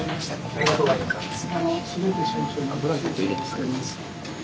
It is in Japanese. ありがとうございます。